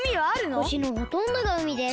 ほしのほとんどがうみです。